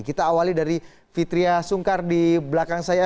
kita awali dari fitriah sungkar di belakang saya